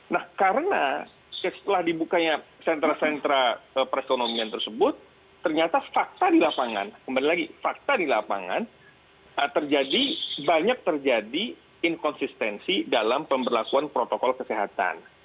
nah karena setelah dibukanya sentra sentra perekonomian tersebut ternyata fakta di lapangan kembali lagi fakta di lapangan terjadi banyak terjadi inkonsistensi dalam pemberlakuan protokol kesehatan